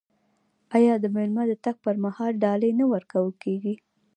آیا د میلمه د تګ پر مهال ډالۍ نه ورکول کیږي؟